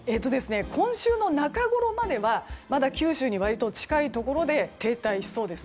今週の中ごろまでは九州に割と近いところで停滞しそうです。